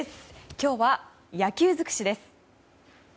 今日は野球尽くしです。